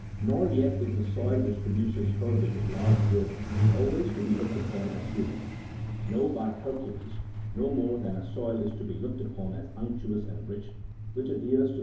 Nor yet is the soil which produces herbage 32 of large growth always to be looked upon as humid ; no, by Hercules ! no more than a soil is to be looked upon as unctuous and rich, which adheres to the fingers — a 29 B. xvi. cc. 30, 31.